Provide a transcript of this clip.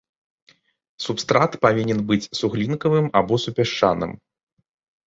Субстрат павінен быць суглінкавым або супясчаным.